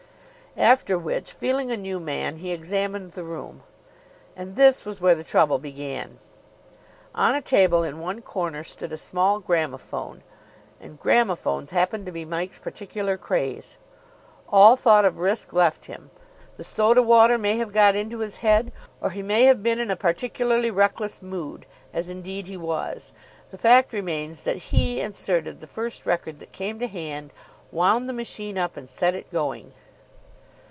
After which, feeling a new man, he examined the room. And this was where the trouble began. On a table in one corner stood a small gramophone. And gramophones happened to be Mike's particular craze. All thought of risk left him. The soda water may have got into his head, or he may have been in a particularly reckless mood, as indeed he was. The fact remains that he inserted the first record that came to hand, wound the machine up, and set it going.